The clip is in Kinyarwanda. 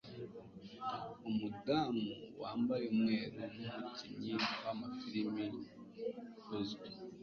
Umudamu wambaye umweru ni umukinnyi w'amafirime uzwi.